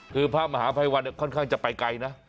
คือพระมหาภัยวันเนี่ยค่อนข้างจะไปไกลนะ